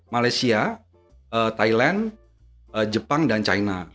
malaysia thailand jepang dan china